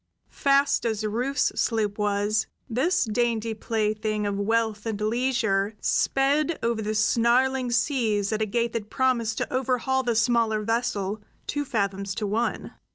Fast as Rufe's sloop was, this dainty plaything of wealth and leisure sped over the snarling seas at a gait that promised to overhaul the smaller vessel two fathoms to one.